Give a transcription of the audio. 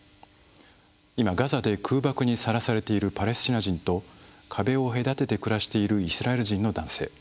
今ガザで空爆にさらされているパレスチナ人と壁を隔てて暮らしているイスラエル人の男性。